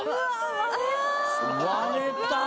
割れた！